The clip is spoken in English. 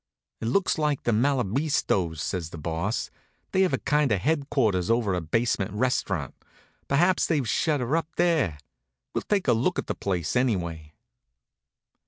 "It looks like the Malabistos," says the Boss. "They have a kind of headquarters over a basement restaurant. Perhaps they've shut her up there. We'll take a look at the place anyway."